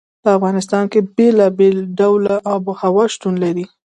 په افغانستان کې بېلابېل ډوله آب وهوا شتون لري.